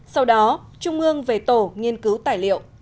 sau đó trung ương về tổ nghiên cứu tài liệu